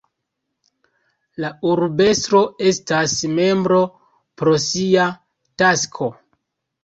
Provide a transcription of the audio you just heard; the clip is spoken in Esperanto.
La urbestro estas membro pro sia tasko.